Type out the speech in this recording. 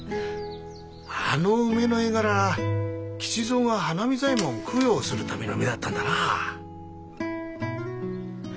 あの梅の絵柄は吉蔵が花水左衛門を供養するための梅だったんだなぁ。